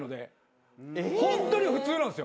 ホントに普通なんですよ。